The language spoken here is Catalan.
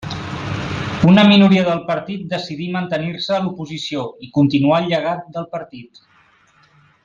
Una minoria del partit decidí mantenir-se a l'oposició i continuar el llegat del partit.